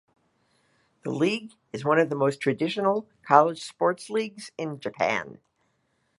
The league is one of the most traditional college sports leagues in Japan.